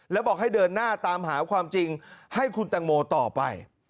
แล้วบอกให้เดินหน้าตามหาความจริงให้คุณตังโมต่อไป